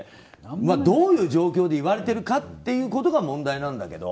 どういう状況で言われてるかということが問題なんだけど。